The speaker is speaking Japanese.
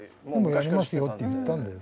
やりますよって言ったんだよ